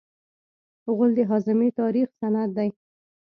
غول د هاضمې تاریخي سند دی.